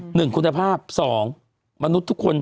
หนึ่งคุณภาพสองมนุษย์ทุกคน